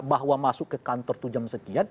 bahwa masuk ke kantor itu jam sekian